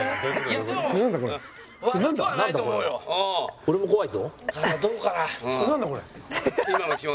「俺も怖いぞ」